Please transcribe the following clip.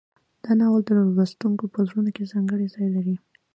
دا ناول د لوستونکو په زړونو کې ځانګړی ځای لري.